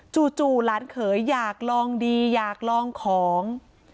จู่หลานเขยอยากลองดีอยากลองของ